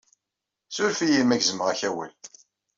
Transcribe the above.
Suref-iyi, ma gezmeɣ-ak awal.